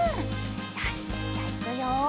よしじゃいくよ！